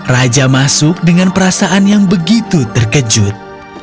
raja masuk dengan perasaan yang begitu terkejut